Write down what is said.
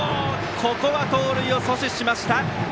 ここは盗塁を阻止しました。